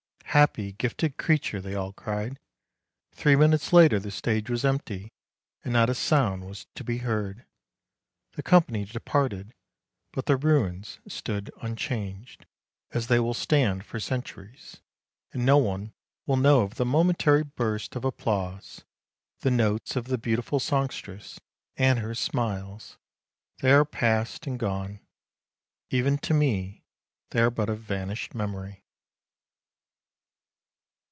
' Happy, gifted creature! ' they all cried. Three minutes later the stage was empty and not a sound was to be heard. The company departed, but the ruins stood unchanged, as they will stand for centuries, and no one will know of the momentary burst of applause, the notes of the beautiful songstress and her smiles; they are past and gone. Even to me they are but a vanished memory."